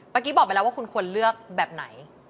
กี้บอกไปแล้วว่าคุณควรเลือกแบบไหน